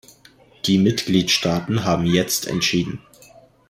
Die Mitgliedstaaten haben jetzt entschieden.